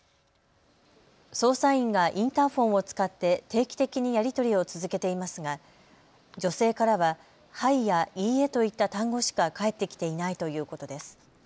捜査員がインターフォンを使って定期的にやり取りを続けていますが、女性からは、はいやいいえといった単語しか返ってきていないということです。